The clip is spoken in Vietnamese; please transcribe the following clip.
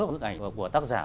bức ảnh của tác giả